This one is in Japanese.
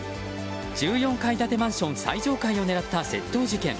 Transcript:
１４階建てマンション最上階を狙った窃盗事件。